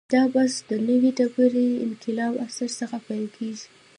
دا بحث د نوې ډبرې انقلاب عصر څخه پیل کېږي.